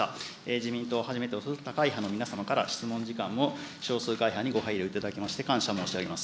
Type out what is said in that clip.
自民党をはじめとする他会派の皆様から質問時間も少数会派にご配慮いただきまして、感謝申し上げます。